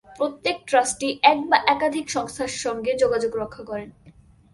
প্রত্যেক ট্রাস্টি এক বা একাধিক সংস্থার সঙ্গে যোগাযোগ রক্ষা করেন।